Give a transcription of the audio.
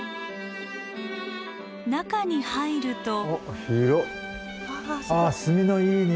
中に入ると。